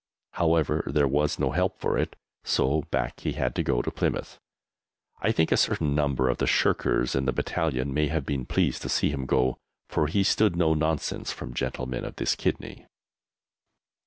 However, there was no help for it, so back he had to go to Plymouth. I think a certain number of the shirkers in the Battalion may have been pleased to see him go, for he stood no nonsense from gentlemen of this kidney.